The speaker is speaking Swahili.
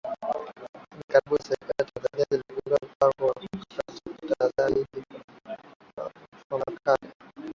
Hivi karibuni Serikali ya Tanzania ilizindua Mpango Mkakati wa Tahadhari Dhidi ya Mafua Makali